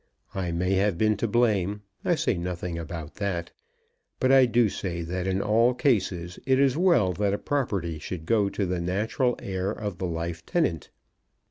I may have been to blame. I say nothing about that. But I do say that in all cases it is well that a property should go to the natural heir of the life tenant.